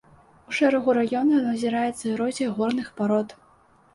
У шэрагу раёнаў назіраецца эрозія горных парод.